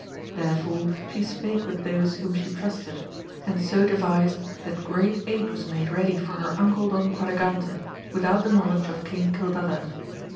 Therefore she spake with those whom she trusted, and so devised that great aid was made ready for her uncle Don Quadragante without the knowledge of King Cildadan.